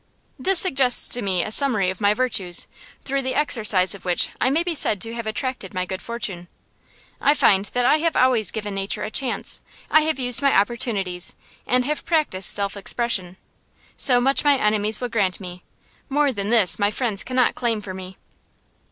This suggests to me a summary of my virtues, through the exercise of which I may be said to have attracted my good fortune. I find that I have always given nature a chance, I have used my opportunities, and have practised self expression. So much my enemies will grant me; more than this my friends cannot claim for me.